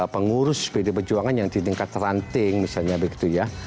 pengurus pd perjuangan yang di tingkat teranting misalnya begitu ya